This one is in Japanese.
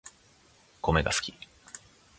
コメが好き